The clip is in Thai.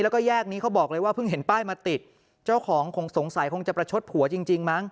แล้วก็แยกนี้เขาบอกเลยว่าเพิ่งเห็นป้ายมาติดเจ้าของคงสงสัยคงจะประชดผัวจริงจริงมั้ง